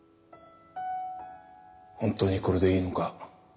本当にこれでいいのか。